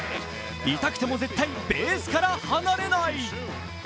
痛くても絶対ベースから離れない。